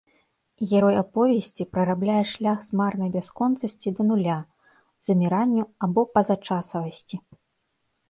Герой аповесці прарабляе шлях з марнай бясконцасці да нуля, заміранню або пазачасавасці.